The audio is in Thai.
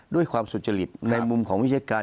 ด้วยความสุจริตในมุมของวิชาการ